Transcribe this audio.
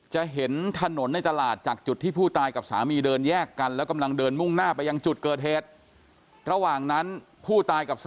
จะเห็นถนนในตลาดจากจุดที่ผู้ตายกับสามีเดินแยกกันแล้วกำลังเดินมุ่งหน้าไปยังจุดเกิดเหตุ